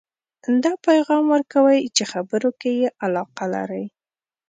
دا پیغام ورکوئ چې خبرو کې یې علاقه لرئ